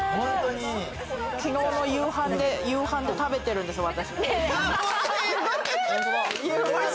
きのうの夕飯で食べてるんです、私。